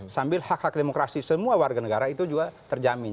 sambil hak hak demokrasi semua warga negara itu juga terjamin